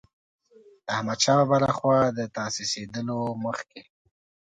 د احمدشاه بابا له خوا د تاسیسېدلو مخکې.